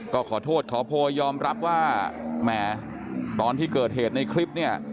ก็ขอโทษขอโพยยอมรับว่าแหมตอนที่เกิดเหตุในคลิปเนี่ย